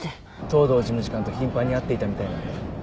藤堂事務次官と頻繁に会っていたみたいなんだ。